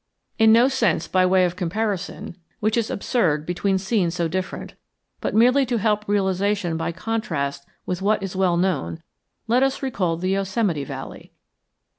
In no sense by way of comparison, which is absurd between scenes so different, but merely to help realization by contrast with what is well known, let us recall the Yosemite Valley.